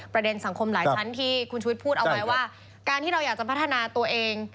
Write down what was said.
สังคมหลายชั้นที่คุณชุวิตพูดเอาไว้ว่าการที่เราอยากจะพัฒนาตัวเอง